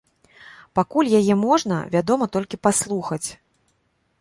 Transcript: Пакуль яе можна, вядома, толькі паслухаць.